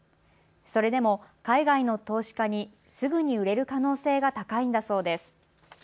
それでも海外の投資家にすぐに売れる可能性が高いんだそうです。